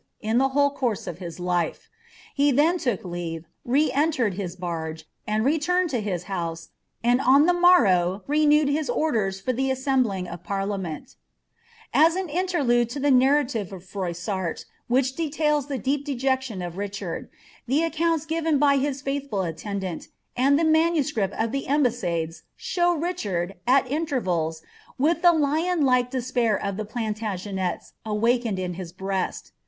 in the whole couiM HKkislifc. He then look leave, rename r^ his barge, and returned lo Pl^p house, and on tite morrow renewed his orders for the assembling of Llujian A* an inlcrlude to the narralire of FroJssarl, which details the deep dqtction of Richard, the accoimts given by hie faithful attendant, and the maniiKcripi of the Ambassades. show Richard, at intervals, wiili th« Ittjci like rlespair of the Planlagenets awakened in his breast.